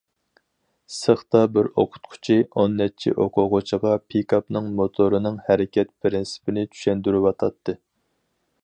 سېختا بىر ئوقۇتقۇچى ئون نەچچە ئوقۇغۇچىغا پىكاپنىڭ موتورىنىڭ ھەرىكەت پىرىنسىپىنى چۈشەندۈرۈۋاتاتتى.